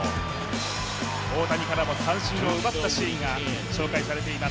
大谷からも三振を奪ったシーンが紹介されています。